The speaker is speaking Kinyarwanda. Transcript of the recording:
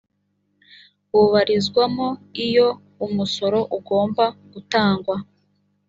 ubarizwamo. iyo umusoro ugomba gutangwa